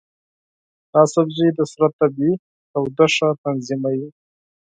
دا سبزی د بدن طبیعي تودوخه تنظیموي.